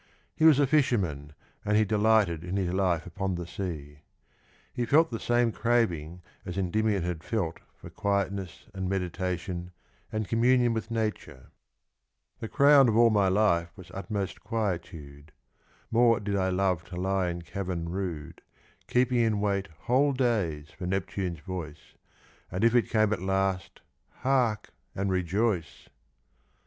He was a fisherman, and he delighted in his life upon the sea. He felt the same craving as Endymion had felt for quiet ness and meditation and communion with Nature : the crown Of all my life was utmost quietude : More did I love to lie in cavern rude, Keeping in wait whole da}s for Neptune's voice, And if it came at last, hark, and rejoice!